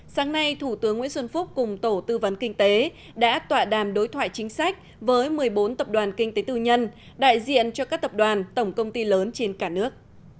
sáng nay thủ tướng nguyễn xuân phúc cùng tổ tư vấn kinh tế đã tọa đàm đối thoại chính sách với một mươi bốn tập đoàn kinh tế tư nhân đại diện cho các tập đoàn tổng công ty lớn trên cả nước